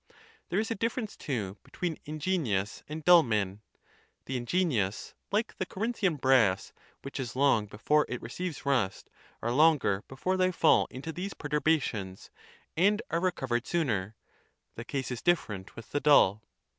There is a difference, too, between ingenious and dull men; the ingenious, like the Corinthian brass, which is long before it receives rust, are longer before they fall into these per turbations, and are recovered sooner: the case is different with the dull.